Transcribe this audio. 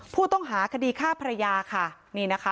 ผู้ต้องหาคดีฆ่าภรรยาค่ะนี่นะคะ